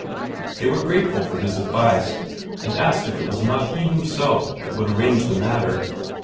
They were grateful for his advice, and asked if it was not he himself that would arrange the matter.